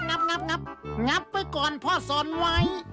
งับไปก่อนพ่อสอนไว้